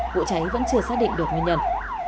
vụ cháy vẫn chưa xác định được nguyên nhân